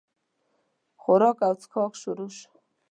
خوراک او چښاک شروع شو.